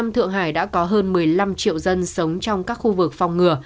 thượng hải đã có hơn một mươi năm triệu dân sống trong cộng đồng